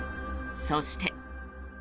そして。